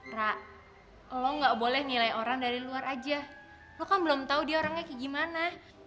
prak lo gak boleh nilai orang dari luar aja lo kan belum tahu dia orangnya kayak gimana